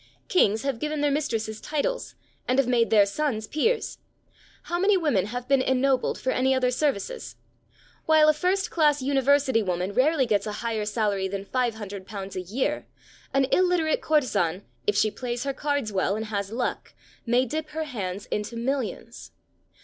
Kings have given their mistresses titles, and have made their sons peers. How many women have been ennobled for any other services? While a first class university woman rarely gets a higher salary than five hundred pounds a year, an illiterate courtesan, if she plays her cards well and has luck, may dip her hands into millions.